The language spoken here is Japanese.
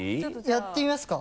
やってみますか？